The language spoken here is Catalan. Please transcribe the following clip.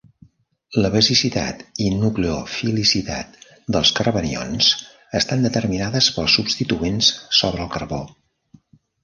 La basicitat i nucleofilicitat dels carbanions estan determinades pels substituents sobre el carbó.